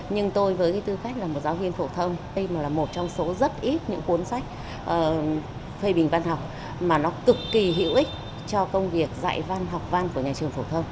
nhưng tôi với cái tư cách là một giáo viên phổ thông tôi là một trong số rất ít những cuốn sách phê bình văn học mà nó cực kỳ hữu ích cho công việc dạy văn học văn của nhà trường phổ thông